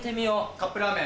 カップラーメン。